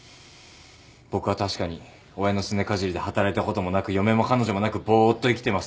僕は確かに親のすねかじりで働いたこともなく嫁も彼女もなくぼーっと生きてます。